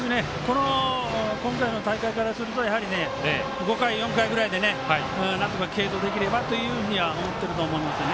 今回の大会からすると５回、４回ぐらいでなんとか、継投できればと思っていると思います。